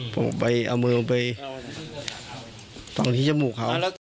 พูดไปเอามือลงไปตรงที่จมูกเขา